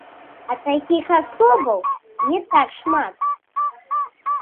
А такіх асобаў не так шмат.